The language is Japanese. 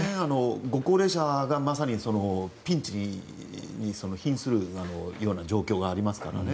ご高齢者がまさにそのピンチにひんするような状況がありますからね。